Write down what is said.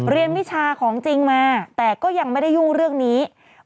วิชาของจริงมาแต่ก็ยังไม่ได้ยุ่งเรื่องนี้